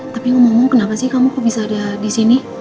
tapi ngomong ngomong kenapa sih kamu kok bisa ada di sini